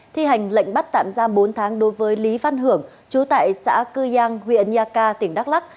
thi hành lệnh bắt tạm giam bốn tháng đối với lý văn hưởng chú tại xã cư giang huyện nha ca tỉnh đắk lắc